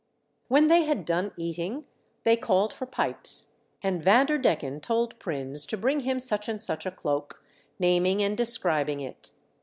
When they had done eating they called for pipes, and Vanderdecken told Prins to bring him such and such a cloak, naming and describing it.